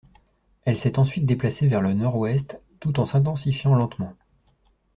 Elle s’est ensuite déplacé vers le nord-ouest tout en s’intensifiant lentement.